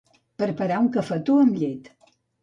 Preparar un cafetó amb llet.